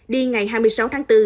đi ngày hai mươi sáu tháng bốn